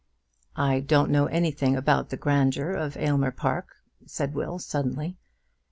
"I don't know anything about the grandeur of Aylmer Park," said Will, suddenly.